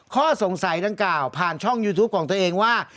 ข้อสงสัยดังกล่าวผ่านช่องยูทูปของตัวเองว่า